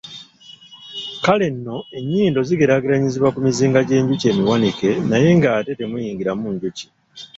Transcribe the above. Kale nno ennyindo zigeraageranyizibwa ku mizinga gy’enjoki emiwanike naye ng’ate temuyingiramu njoki.